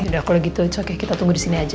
udah kalau gitu cukup ya kita tunggu disini aja